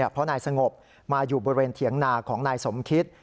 เพราะนายสงบมาอยู่บริเวณเถียงนาของนายสมคิต